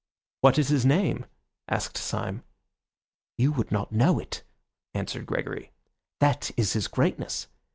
"What is his name?" asked Syme. "You would not know it," answered Gregory. "That is his greatness.